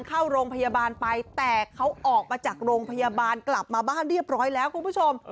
เข้าโรงพยาบาลไปแต่เขาออกมาจากโรงพยาบาลกลับมาบ้านเรียบร้อยแล้วคุณผู้ชม